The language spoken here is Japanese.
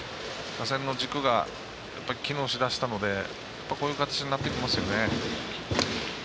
打線の軸が機能しだしたのでこういう形になってきますよね。